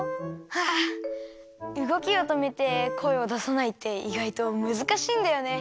はあうごきをとめてこえをださないっていがいとむずかしいんだよね！